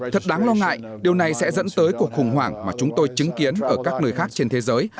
thật đáng lo ngại điều này sẽ dẫn tới cuộc khủng hoảng mà chúng tôi chứng kiến ở các nơi khác trên thế giới